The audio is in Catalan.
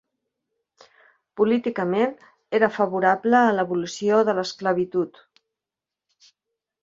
Políticament, era favorable a l'abolició de l'esclavitud.